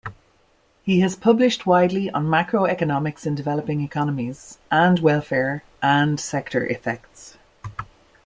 He has published widely on macroeconomics in developing economies and welfare and sector effects.